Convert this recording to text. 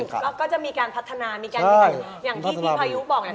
แล้วก็จะมีการพัฒนามีการอย่างที่พี่พายุบอกเนี่ย